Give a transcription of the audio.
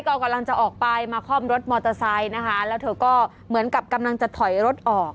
ก็กำลังจะออกไปมาคล่อมรถมอเตอร์ไซค์นะคะแล้วเธอก็เหมือนกับกำลังจะถอยรถออก